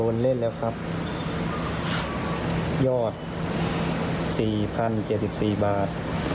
ไม่มีใครอยู่บ้าน